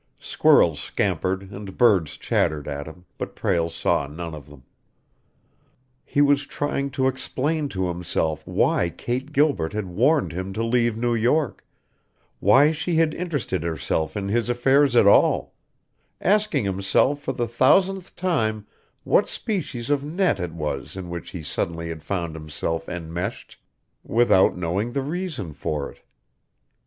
Squirrels scampered and birds chattered at him, but Prale saw none of them. He was trying to explain to himself why Kate Gilbert had warned him to leave New York, why she had interested herself in his affairs at all, asking himself for the thousandth time what species of net it was in which he suddenly had found himself enmeshed without knowing the reason for it.